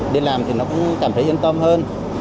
đi làm thì nó cũng cảm thấy yên tâm hơn